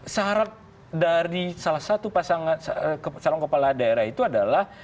sarat dari salah satu pasangan salah satu kepala daerah itu adalah